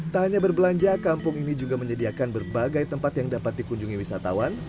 tak hanya berbelanja kampung ini juga menyediakan berbagai tempat yang dapat dikunjungi wisatawan